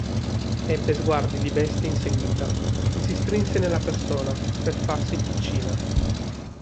Ebbe sguardi di bestia inseguita, e si strinse nella persona, per farsi piccina.